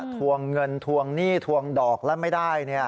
ทวงเงินทวงหนี้ทวงดอกแล้วไม่ได้